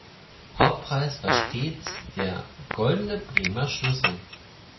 Hauptpreis war stets der „Goldene Bremer Schlüssel“.